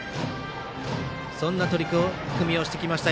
そんな取り組みをしてきました。